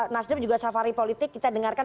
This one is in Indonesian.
nasdem juga safari politik kita dengarkan